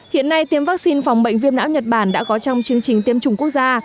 hiện nay tiêm vaccine phòng bệnh viêm não nhật bản đã có trong chương trình tiêm chủng quốc gia